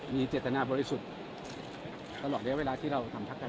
มีเจตนาบริสุทธิ์ตลอดระยะเวลาที่เรานำพักกัน